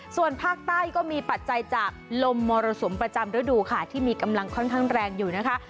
ส่วนภาคใต้ก็มีปัจจัยจากลมมรสุมประจำฤดูค่ะที่มีกำลังค่อนข้างแรงอยู่นะคะ